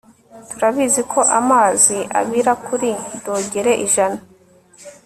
Turabizi ko amazi abira kuri dogere ijana